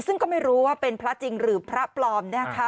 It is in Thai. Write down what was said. ซึ่งก็ไม่รู้ว่าเป็นพระจริงหรือพระปลอมนะคะ